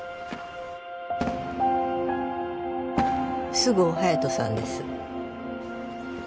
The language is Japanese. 菅生隼人さんです